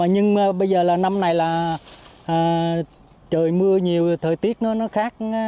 nhưng bây giờ là năm này là trời mưa nhiều thời tiết nó khác